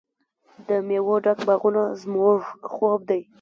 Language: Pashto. د میوو ډک باغونه زموږ خوب دی.